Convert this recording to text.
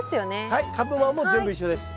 はい株間も全部一緒です。